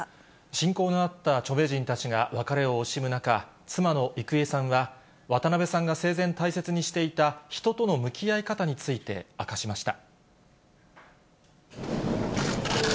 親交のあった著名人たちが別れを惜しむ中、妻の郁恵さんは、渡辺さんが生前大切にしていた、人との向き合い方について明かしました。